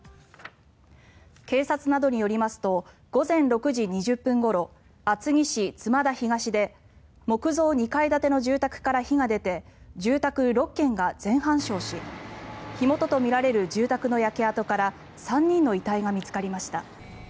警察などによりますと午前６時２０分ごろ厚木市妻田東で木造２階建ての住宅から火が出て住宅６軒が全半焼し火元とみられる住宅の焼け跡から３人の遺体が見つかりました。